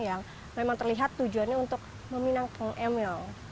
yang memang terlihat tujuannya untuk meminang kang emil